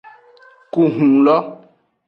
Ku hun lo.